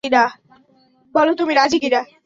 বলো তুমি রাজি কি না।